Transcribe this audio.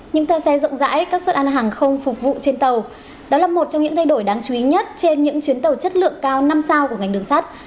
những tờ xe rộng rãi các suất ăn hàng không phục vụ trên tàu đó là một trong những thay đổi đáng chú ý nhất trên những chuyến tàu chất lượng cao năm sao của ngành đường sắt